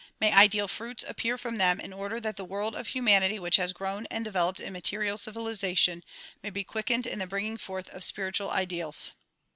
May ideal fruits appear from them in order that the world of humanity which has grown and developed in material civilization may be quickened in the bringing forth of spiritual ideals.